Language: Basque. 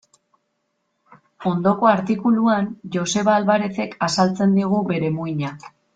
Ondoko artikuluan Joseba Alvarerezek azaltzen digu bere muina.